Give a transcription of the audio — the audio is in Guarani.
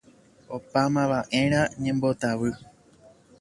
Opámavaʼerã ñembotavy.